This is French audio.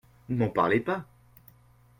Ne m'en parlez pas !